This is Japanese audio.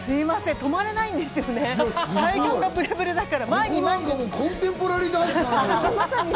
止まらないんですよね、体幹がブレブレだから。